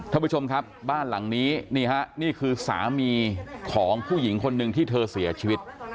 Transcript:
ท่านผู้ชมครับบ้านหลังนี้นี่ฮะนี่คือสามีของผู้หญิงคนหนึ่งที่เธอเสียชีวิต